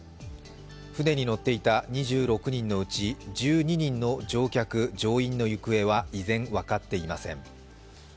船に乗っていた２６人のうち１２人の乗員・乗客の行方は今も分かっていません。